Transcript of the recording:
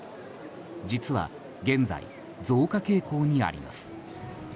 実は現在、増加傾向にあります。